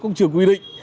cũng chưa quy định